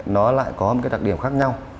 nó lại có một đặc điểm khác nhau